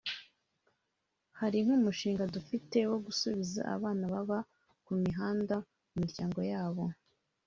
hari nk’umushinga dufite wo gusubiza abana baba ku mihanda mu miryango yabo